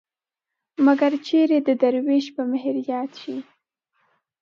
مګر چېرې د دروېش په مهر ياد شي